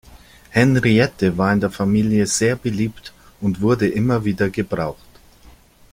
Henriette war in der Familie sehr beliebt und wurde immer wieder gebraucht.